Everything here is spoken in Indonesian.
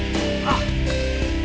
kenapa pas itu selesai ya